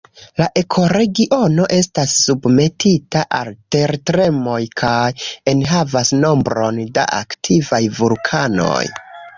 La ekoregiono estas submetita al tertremoj kaj enhavas nombron da aktivaj vulkanoj.